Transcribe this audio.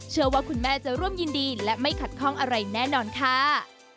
ว่าคุณแม่จะร่วมยินดีและไม่ขัดข้องอะไรแน่นอนค่ะ